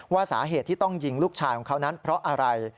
ว่าสาเหตุที่ต้องยิงลูกชายของเขานั้นเพราะอะไร